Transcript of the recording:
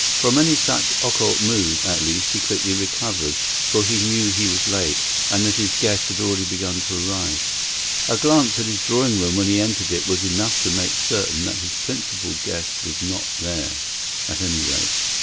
From any such occult mood, at least, he quickly recovered, for he knew he was late, and that his guests had already begun to arrive. A glance at his drawing room when he entered it was enough to make certain that his principal guest was not there, at any rate.